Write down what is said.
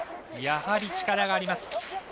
やはり力があります。